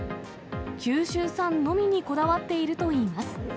九州産のみにこだわっているといいます。